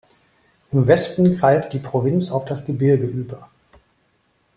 Im Westen greift die Provinz auf das Gebirge über.